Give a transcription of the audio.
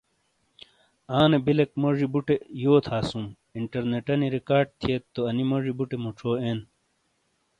آنے بِلیک موجی بُٹے یو تھاسوں، انٹرنیٹانی ریکارڈ تھیئیت تو انی موجی بُٹے مُوچھو این۔